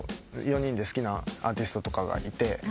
４人で好きなアーティストとかがいて。